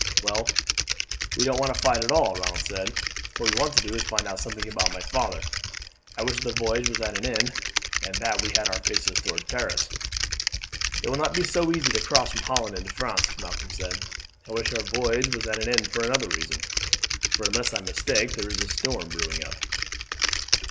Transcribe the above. "Well, we don't want to fight at all," Ronald said. "What we want to do is to find out something about my father. I wish the voyage was at an end, and that we had our faces towards Paris." "It will not be so easy to cross from Holland into France," Malcolm said. "I wish our voyage was at an end for another reason, for unless I mistake there is a storm brewing up."